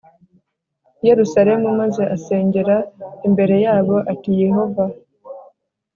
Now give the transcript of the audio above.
I yerusalemu maze asengera imbere yabo ati yehova